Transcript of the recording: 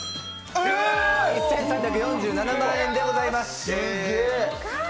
１３４７万円でございます。